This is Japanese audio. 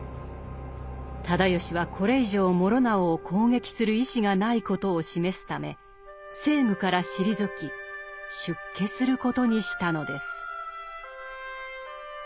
直義はこれ以上師直を攻撃する意思がないことを示すため政務から退き出家することにしたのです。